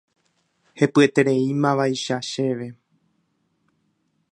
Hepyetereímavaicha chéve.